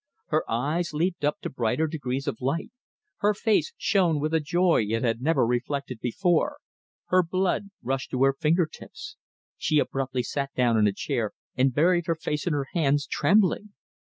Her eyes leaped up to brighter degrees of light, her face shone with a joy it had never reflected before, her blood rushed to her finger tips. She abruptly sat down in a chair and buried her face in her hands, trembling.